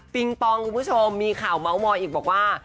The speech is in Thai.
ปองคุณผู้ชมมีข่าวเมาส์มอยอีกบอกว่า